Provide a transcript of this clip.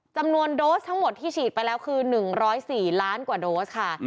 โดสทั้งหมดที่ฉีดไปแล้วคือ๑๐๔ล้านกว่าโดสค่ะ